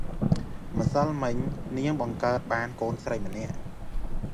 ម្សិលមិញ នាងបង្កើតបានកូនស្រីម្នាក់ ។